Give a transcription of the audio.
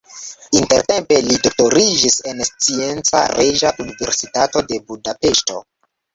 Intertempe li doktoriĝis en Scienca Reĝa Universitato de Budapeŝto.